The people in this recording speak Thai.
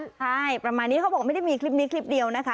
ใช่ประมาณนี้เขาบอกไม่ได้มีคลิปนี้คลิปเดียวนะคะ